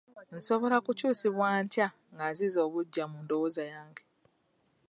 Nsobola kukyusibwa ntya nga nziza obuggya mu ndowooza yange?